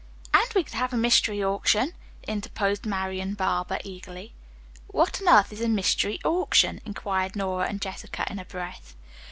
"And we could have a Mystery Auction," interposed Marian Barber eagerly. "What on earth is a 'Mystery Auction'?" inquired Nora and Jessica in a breath.